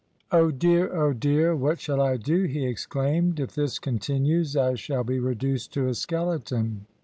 "Oh, dear! oh, dear! what shall I do?" he exclaimed; "if this continues I shall be reduced to a skeleton."